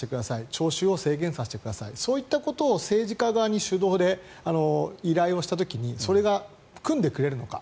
聴衆を制限させてくださいそういったことを政治家側に主導で依頼をした時にそれがくんでくれるのか。